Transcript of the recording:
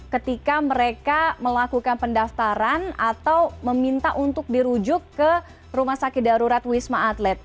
ketika mereka melakukan pendaftaran atau meminta untuk dirujuk ke rumah sakit darurat wisma atlet